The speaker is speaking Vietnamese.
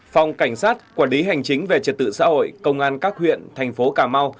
phòng cảnh sát quản lý hành chính về trật tự xã hội công an các huyện tp cà mau